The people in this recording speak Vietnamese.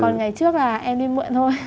còn ngày trước là em đi mượn thôi